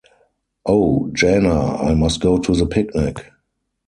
Oh, Jana, I must go to the picnic.